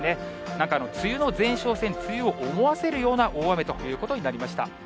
なんか梅雨の前哨戦、梅雨を思わせるような大雨ということになりました。